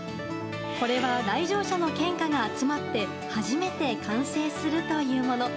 これは来場者の献花が集まって初めて完成するというもの。